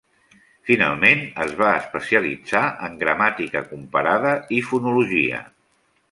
Finalment es va especialitzar en gramàtica comparada i fonologia.